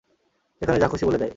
যেখানে যা খুশি বলে দেয়।